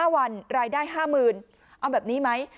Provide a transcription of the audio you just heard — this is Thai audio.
๕วันรายได้๕๐๐๐เอาแบบนี้ไหม